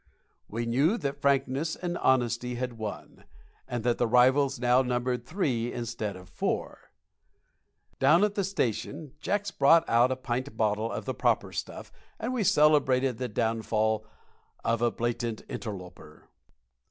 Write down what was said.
We knew that frankness and honesty had won, and that the rivals now numbered three instead of four. Down at the station Jacks brought out a pint bottle of the proper stuff, and we celebrated the downfall of a blatant interloper.